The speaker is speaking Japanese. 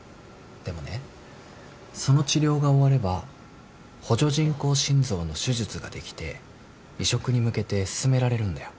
でもねその治療が終われば補助人工心臓の手術ができて移植に向けて進められるんだよ。